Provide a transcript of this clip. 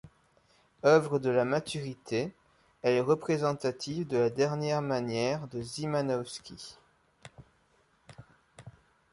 Œuvre de la maturité, elle est représentative de la dernière manière de Szymanowski.